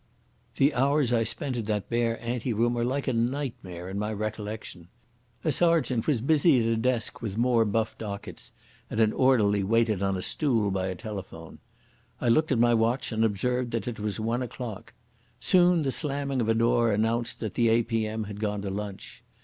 The hours I spent in that bare anteroom are like a nightmare in my recollection. A sergeant was busy at a desk with more buff dockets and an orderly waited on a stool by a telephone. I looked at my watch and observed that it was one o'clock. Soon the slamming of a door announced that the A.P.M. had gone to lunch.